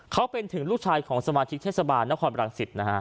เขาเป็นถึงลูกชายของสมาธิกเทศบาลณความรังสิทธิ์